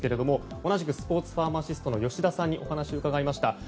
同じくスポーツファーマシストの吉田さんにお話を伺いました。